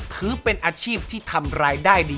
ถือเป็นอาชีพที่ทำรายได้ดี